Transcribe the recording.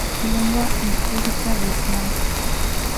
Lengua litúrgica del islam.